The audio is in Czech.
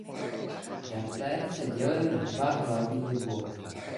Adaptér se dělil na dva hlavní bloky.